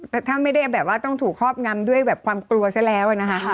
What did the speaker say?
แต่ถ้าไม่ได้แบบว่าต้องถูกครอบงำด้วยแบบความกลัวซะแล้วนะคะ